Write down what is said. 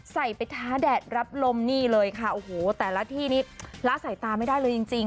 ใส่ไปท้าแดดรับลมนี่เลยค่ะโอ้โหแต่ละที่นี่ละสายตาไม่ได้เลยจริงจริง